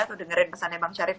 atau dengerin pesannya bang syarif